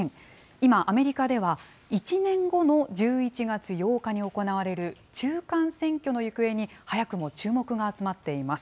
今、アメリカでは１年後の１１月８日に行われる中間選挙の行方に早くも注目が集まっています。